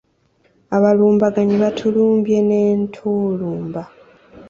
Abalumbaganyi baatulumbye n’Entulumba.